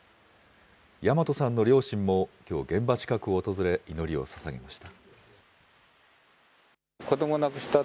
大和さんの両親もきょう、現場近くを訪れ、祈りをささげました。